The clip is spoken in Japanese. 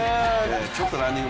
ちょっとランニング